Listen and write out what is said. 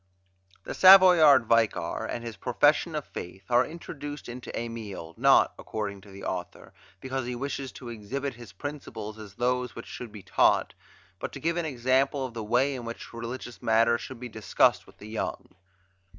The Savoyard Vicar and his "Profession of Faith" are introduced into "Emile" not, according to the author, because he wishes to exhibit his principles as those which should be taught, but to give an example of the way in which religious matters should be discussed with the young.